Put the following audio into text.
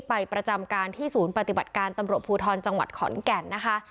ประจำการที่ศูนย์ปฏิบัติการตำรวจภูทรจังหวัดขอนแก่นนะคะ